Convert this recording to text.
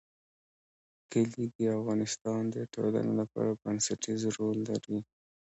کلي د افغانستان د ټولنې لپاره بنسټيز رول لري.